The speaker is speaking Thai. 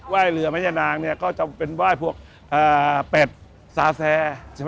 ว่ายเรือมะยะนางก็จะเป็นว่ายพวกเป็ดซาแส